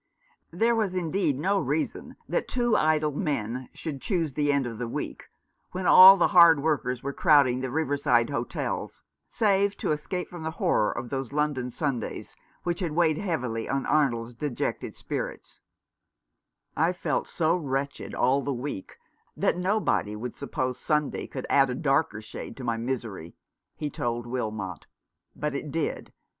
There was indeed no reason that two idle men should choose the end of the week, when all the hard workers were crowding the riverside hotels, save to escape from the horror of those London Sundays which had weighed heavily on Arnold's dejected spirits. 209 p Rough Justice. "I felt so wretched all the week that nobody would suppose Sunday could add a darker shade to my misery," he told Wilmot, "but it did.